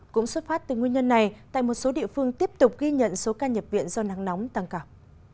cũng xuất phát từ nguyên nhân này tại một số địa phương tiếp tục ghi nhận số ca nhập viện do nắng nóng tăng cẳng